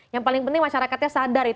yang paling penting masyarakatnya sadar